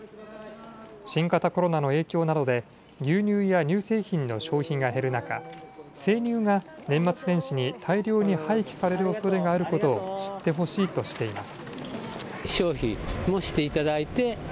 新型コロナの影響などで牛乳や乳製品の消費が減る中、生乳が年末年始に大量に廃棄されるおそれがあることを知ってほしいとしています。